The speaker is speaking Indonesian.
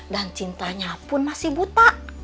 dan cintanya pun masih buta